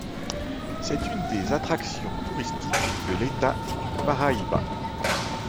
C'est une des attractions touristiques de l'état du Paraíba.